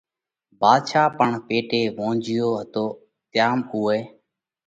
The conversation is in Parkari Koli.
ڀاڌشا پڻ پيٽي وونجھِيو هتو تيام اُوئہ